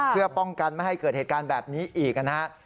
เพื่อป้องกันไม่ให้เกิดเหตุการณ์แบบนี้อีกนะครับ